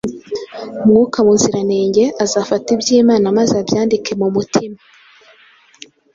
Mwuka Muziranenge azafata iby’Imana maze abyandike mu mutima.